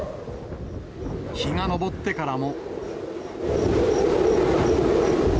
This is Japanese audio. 日が昇ってからも。